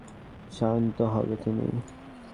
শান্ত হবে তুমি?